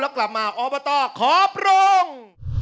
แล้วกลับมาออฟเบอร์ตอร์ขอบพรง